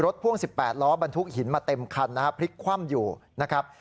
รถพ่วง๑๘ล้อบรรทุกหินมาเต็มคันพลิกคว่ามอยู่นะครับ